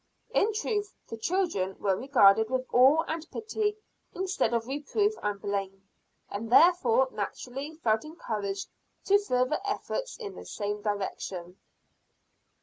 In truth, the children were regarded with awe and pity instead of reproof and blame, and therefore naturally felt encouraged to further efforts in the same direction.